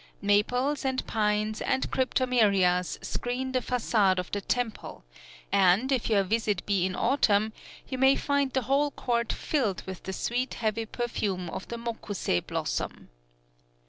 Maples and pines and cryptomerias screen the façade of the temple; and, if your visit be in autumn, you may find the whole court filled with the sweet heavy perfume of the mokusei blossom.